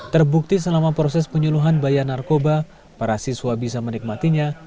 terbukti selama proses penyuluhan bayar narkoba para siswa bisa menikmatinya